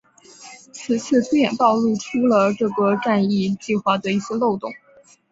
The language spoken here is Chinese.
此次推演暴露出了这个战役计划的一些漏洞。